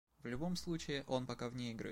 В любом случае, он пока вне игры.